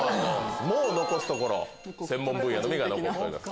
残すところ専門分野のみが残っております。